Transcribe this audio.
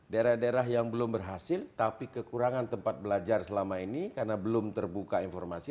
daerah daerah yang belum berhasil tapi kekurangan tempat belajar selama ini karena belum terbuka informasi